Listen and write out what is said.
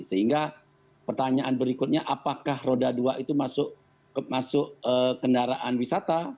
sehingga pertanyaan berikutnya apakah roda dua itu masuk kendaraan wisata